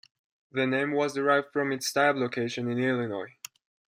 The name was derived from its type location in Illinois.